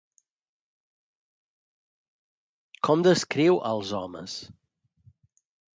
Com descriu als homes?